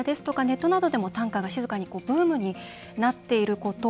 ネットなどでも短歌が静かにブームになっていること。